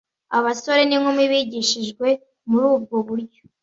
Abasore n’inkumi bigishijwe muri ubwo buryo,